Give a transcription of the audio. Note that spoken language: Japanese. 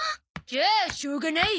じゃあしょうがない。